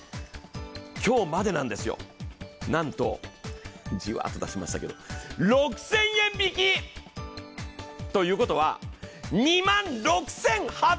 今日までなんですよ、なんとじわーっと出しましたけれども６０００円引き！ということは２万６８００円。